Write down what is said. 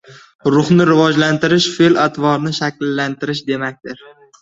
Ruhni rivojlantirish – fe’l-atvorini shakllantirish demakdir.